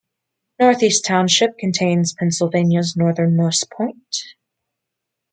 North East Township contains Pennsylvania's northernmost point.